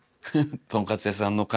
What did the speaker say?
「とんかつ屋さん」の回。